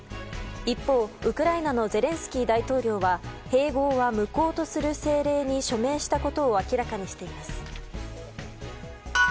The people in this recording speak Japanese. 一方、ウクライナのゼレンスキー大統領は併合は無効とする政令に署名したことを明らかにしています。